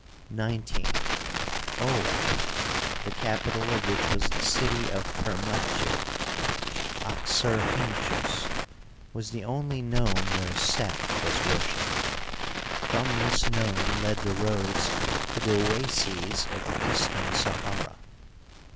XIX. Ouab, the capi tal of which was the city of Permatjet {Oxyrrhynchos), was the only nome where Set was worshiped. From this nome led the roads to the oases of the eastern Sahara.